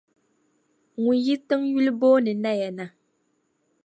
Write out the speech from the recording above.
ŋun yi tiŋ yuli booni Naya na.